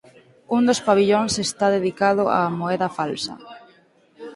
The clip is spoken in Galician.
Un dos pavillóns está dedicado á moeda falsa.